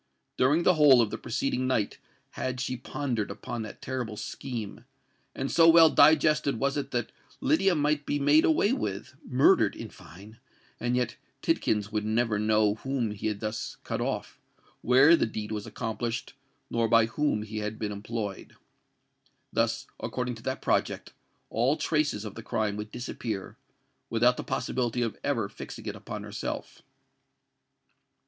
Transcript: During the whole of the preceding night had she pondered upon that terrible scheme; and so well digested was it that Lydia might be made away with—murdered, in fine—and yet Tidkins would never know whom he had thus cut off, where the deed was accomplished, nor by whom he had been employed. Thus, according to that project, all traces of the crime would disappear, without the possibility of ever fixing it upon herself.